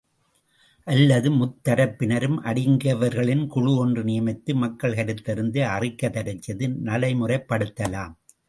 அல்லது முத்தரப்பினரும் அடங்கியவர்களின் குழு ஒன்று நியமித்து, மக்கள் கருத்தறிந்து, அறிக்கை தரச்செய்து நடைமுறைப்படுத்தலாம்.